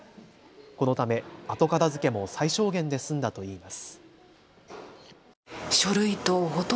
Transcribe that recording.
このため後片づけも最小限で済んだといいます。